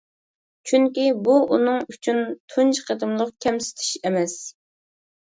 چۈنكى بۇ ئۇنىڭ ئۈچۈن تۇنجى قېتىملىق كەمسىتىش ئەمەس.